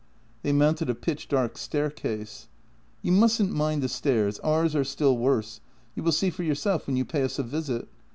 They mounted a pitch dark staircase. "You mustn't mind the stairs; ours are still worse: you will see for yourself when you pay us a visit.